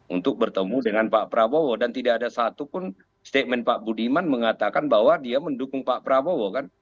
untuk bertemu dengan pak prabowo dan tidak ada satupun statement pak budiman mengatakan bahwa dia mendukung pak prabowo kan